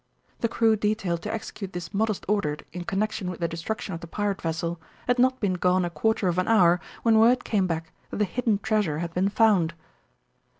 The crew detailed to execute this modest order in connection with the destruction of the pirate vessel had not been gone a quarter of an hour when word came back that the hidden treasure had been found.